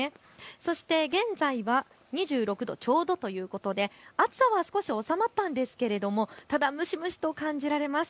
そして現在は２６度ちょうどということで暑さは少し収まったんですけれどもただ蒸し蒸しと感じられます。